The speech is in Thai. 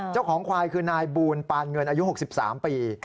เจ้าของควายคือนายบูลปานเงินอายุ๖๓ปี